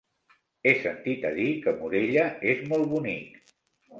He sentit a dir que Morella és molt bonic.